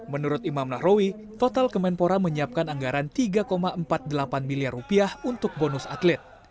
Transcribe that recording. menurut imam nahrawi total kemenpora menyiapkan anggaran rp tiga empat puluh delapan miliar rupiah untuk bonus atlet